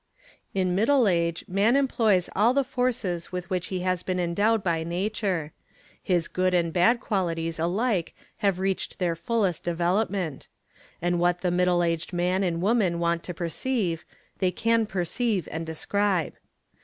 In middle age man employs all the forces with which he has been ~ endowed by nature; his good and bad qualities alike have reached their fullest development; and what the middle aged man and woman want to perceive, they can perceive and describe.